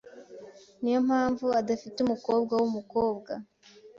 Niyo mpamvu adafite umukobwa wumukobwa.